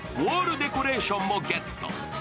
デコレーションもゲット。